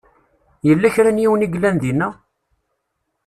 Yella kra n yiwen i yellan dinna?